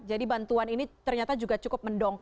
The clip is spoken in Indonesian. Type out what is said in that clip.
jadi bantuan ini ternyata juga cukup mendongkrak